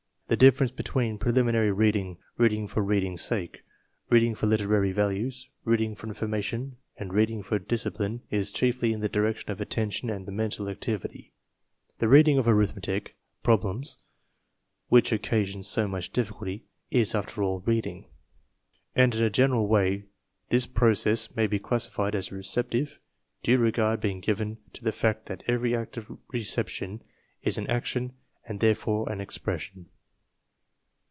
The difference between pre liminary reading, reading for reading's sake, reading for literary values, reading for information, and reading for discipline is chiefly in the direction of attention and the mental activity. The reading of arithmetic prob lems, which occasions so much difficulty, is, after all, reading. And in a general way this process may be classified as receptive (due regard being given to the fact that every act of reception is an action and there fore an expression)